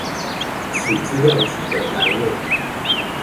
此資料集的欄位